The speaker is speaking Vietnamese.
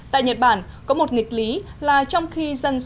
tại nhật bản có một nghịch lý là trong khi dùng sản phẩm